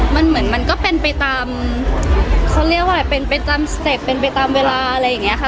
มันเหมือนมันก็เป็นไปตามเขาเรียกว่าเป็นไปตามสเต็ปเป็นไปตามเวลาอะไรอย่างนี้ค่ะ